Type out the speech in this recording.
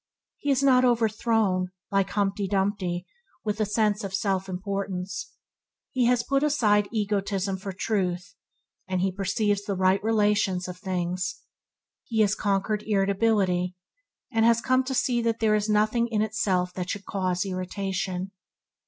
He is not overthrown, like Humptydumpty, with a sense of self importance. He has put aside egotism for truth, and he perceives the right relations of things. He has conquered irritability, and has come to see that there is nothing in itself that should cause irritation.